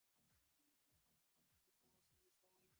এখানে চলে এসে একটা ক্লাস গড়ে ফেল না।